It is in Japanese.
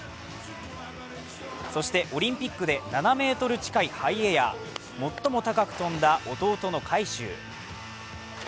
そしてオリンピックで７ｍ近いハイエア最も高く飛んだ弟の海祝。